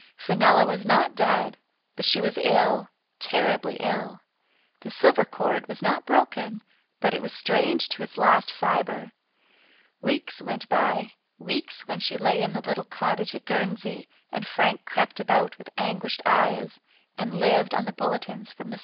Fenella was not dead, but she was ill — terribly ill. The silver cord was not broken, but it was strained to its last fiber. Weeks went by, weeks when she lay in the little cottage at Guernsey, and Frank crept about with anguished eyes, and Jived on the bulletins from the